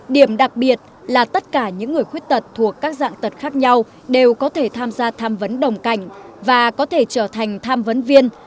điểm đặc biệt là tất cả những người khuyết tật thuộc các dạng tật khác nhau đều có thể tham gia tham vấn đồng cảnh và có thể trở thành tham vấn viên